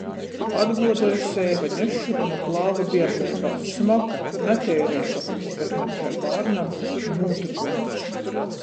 Atguodoju seiva nesšonu nu klāva bierneibā. Smoka, nateireiba, bet maņ kai bārnam Nūtykums.